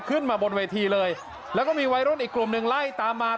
ขึ้นมาบนเวทีเลยแล้วก็มีวัยรุ่นอีกกลุ่มหนึ่งไล่ตามมา